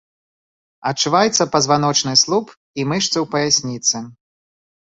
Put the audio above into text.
Адчуваецца пазваночны слуп і мышцы ў паясніцы.